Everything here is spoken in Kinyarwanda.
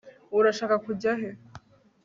urashaka kujya he